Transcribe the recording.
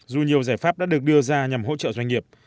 dù nhiều giải pháp đã được đưa ra nhằm hỗ trợ doanh nghiệp